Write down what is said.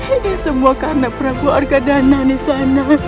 ini semua karena prabu argadana nisana